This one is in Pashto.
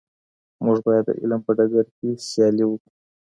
موږ باید د علم په ډګر کي سیالي وکړو.